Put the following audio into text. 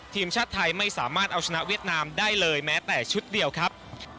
ทีมชาติไทยไม่สามารถเอาชนะเวียดนามได้เลยแม้แต่ชุดเดียวครับ